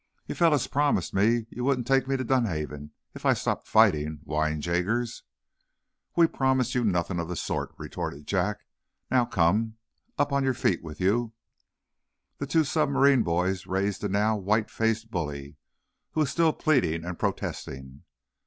"You fellers promised me ye wouldn't take me to Dunhaven, if I stopped fighting," whined Jaggers. "We promised you nothing of the sort," retorted Jack. "Now, come. Up on your feet with you!" The two submarine boys raised the now whitefaced bully, who was still pleading and protesting.